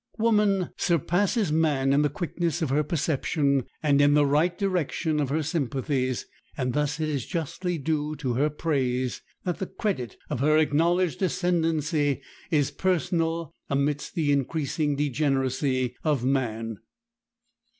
Woman surpasses man in the quickness of her perception and in the right direction of her sympathies; and thus it is justly due to her praise that the credit of her acknowledged ascendency is personal amidst the increasing degeneracy of man.